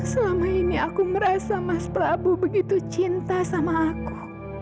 selama ini aku merasa mas prabu begitu cinta sama aku